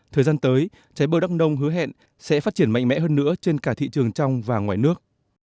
thời gian tới trái bơ đắk nông hứa hẹn sẽ phát triển mạnh mẽ hơn nữa trên cả thị trường trong và ngoài nước